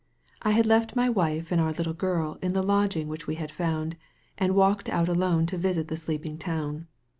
I had left my wife and our little girl in the lodging which we had found, and walked out alone to visit the sleeping town.